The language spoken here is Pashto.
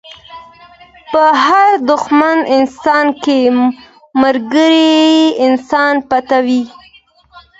په هر دښمن انسان کې ملګری انسان پټ وي.